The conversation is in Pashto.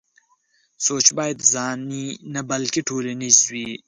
سوچ بايد ځاني نه بلکې ټولنيز وي.